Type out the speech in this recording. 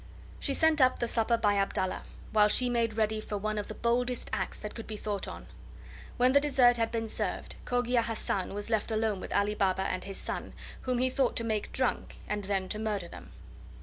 She sent up the supper by Abdallah, while she made ready for one of the boldest acts that could be thought on. When the dessert had been served, Cogia Hassan was left alone with Ali Baba and his son, whom he thought to make drunk and then to murder them.